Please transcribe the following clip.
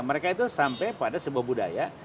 mereka itu sampai pada sebuah budaya